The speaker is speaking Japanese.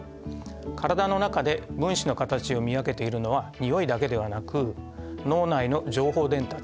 からだの中で分子の形を見分けているのはにおいだけではなく脳内の情報伝達